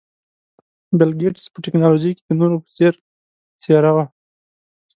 بل ګېټس په ټکنالوژۍ کې د نورو په څېر څېره وه.